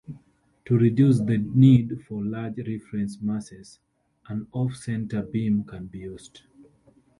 To reduce the need for large reference masses, an off-center beam can be used.